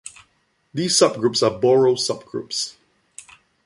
These subgroups are Borel subgroups.